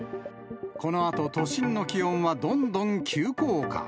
このあと、都心の気温はどんどん急降下。